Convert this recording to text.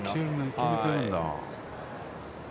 決めてるんだ。